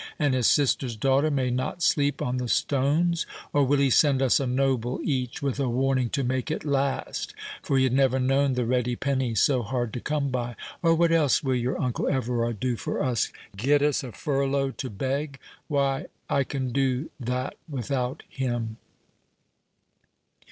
—and his sister's daughter, may not sleep on the stones? Or will he send us a noble each, with a warning to make it last, for he had never known the ready penny so hard to come by? Or what else will your uncle Everard do for us? Get us a furlough to beg? Why, I can do that without him."